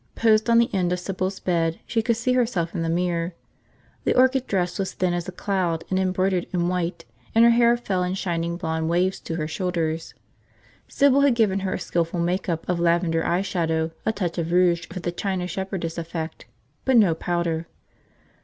Posed on the end of Sybil's bed, she could see herself in the mirror. The orchid dress was thin as a cloud and embroidered in white, and her hair fell in shining blond waves to her shoulders. Sybil had given her a skillful make up of lavender eye shadow, a touch of rouge for the china shepherdess effect, but no powder.